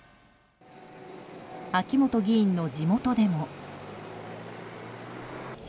秋本議員の地元でも。